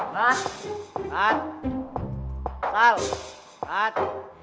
kok gak keliatan